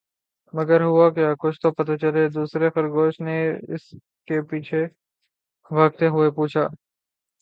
مگر ہوا کیا؟ کچھ تو پتا چلے!“دوسرے خرگوش نے اس کے پیچھے بھاگتے ہوئے پوچھا۔